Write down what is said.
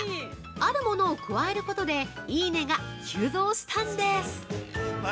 あるものを加えることでいいね！が急増したんです。